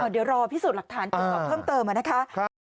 เดี๋ยวรอพิสูจน์หลักฐานตรวจสอบเพิ่มเติมนะคะ